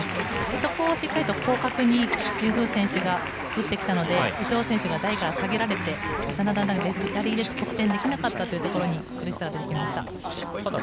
そこをしっかりと広角にユー・フー選手が打ってきたので、伊藤選手が台から下げられて、なかなか得点できなかったというところだと思います。